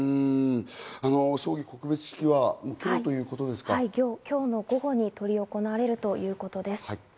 葬儀、告別式は今日の午後に執り行われるということです。